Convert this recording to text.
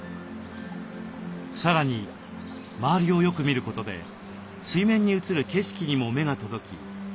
さらに周りをよく見ることで水面に移る景色にも目が届き